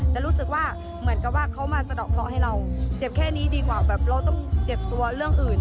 แต่รู้สึกว่าเหมือนกับว่าเขามาสะดอกเคราะห์ให้เราเจ็บแค่นี้ดีกว่าแบบเราต้องเจ็บตัวเรื่องอื่น